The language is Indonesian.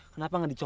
kenapa gak dicoba